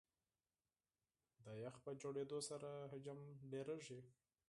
د یخ په جوړېدو سره حجم ډېرېږي.